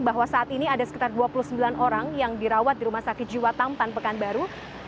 bahwa saat ini ada sekitar dua puluh sembilan orang yang dirawat di rumah sakit jiwa tampan pekanbaru